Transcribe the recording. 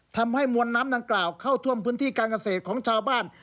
ทำให้มวลน้ำดังกล่าวเข้าท่วมพื้นที่การเกษตรของชาวบ้าน